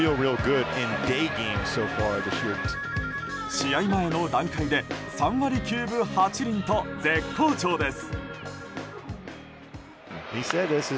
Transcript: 試合前の段階で３割９分８厘と絶好調です。